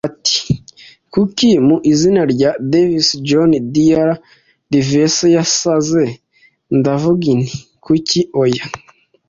Ati: "Kuki, mu izina rya Davy Jones, Dr. Livesey yasaze?" Ndavuga nti: “Kuki oya.